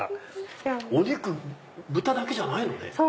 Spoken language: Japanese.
お肉豚だけじゃないのね。